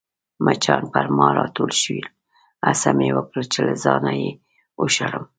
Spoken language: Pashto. مچان پر ما راټول شول، هڅه مې وکړل چي له ځانه يې وشړم.